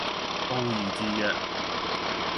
傲睨自若